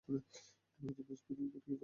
ডানহাতি ব্যাটসম্যান এবং wicket keeper তিনি।